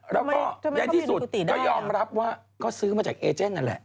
แล้วก็ในที่สุดก็ยอมรับว่าก็ซื้อมาจากเอเจนนั่นแหละ